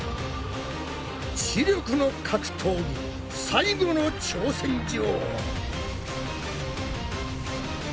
知力の格闘技最後の挑戦状！